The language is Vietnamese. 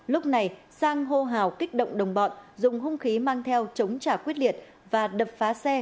lúc này sang hô hào kích động đồng bọn dùng hung khí mang theo chống trả quyết liệt và đập phá xe